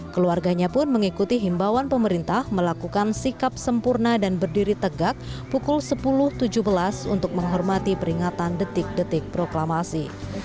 keluarganya pun mengikuti himbawan pemerintah melakukan sikap sempurna dan berdiri tegak pukul sepuluh tujuh belas untuk menghormati peringatan detik detik proklamasi